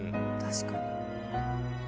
確かに。